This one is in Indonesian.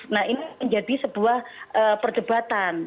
nah ini menjadi sebuah perdebatan